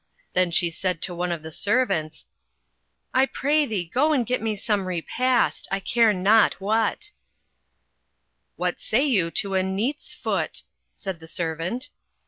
Then she said to one of the ser vants — "1 pray thee go and get me some repast. I care not what." "What say you to a neat's foot?" said the servant.